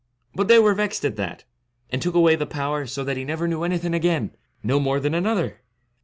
But they were vexed at that, and took away the power, so that he never knew anything again, no more than another.